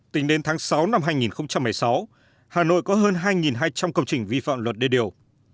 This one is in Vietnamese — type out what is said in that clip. tính đến tháng sáu năm hai nghìn một mươi sáu hà nội có hơn hai hai trăm linh công trình vi phạm luật đê điều